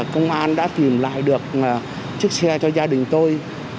công an đã tìm lại được chiếc xe cho gia đình tôi